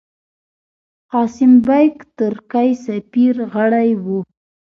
قاسم بېګ، ترکی سفیر، غړی وو.